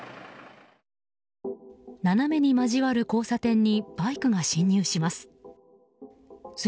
斜めに交わる交差点にバイクが進入します。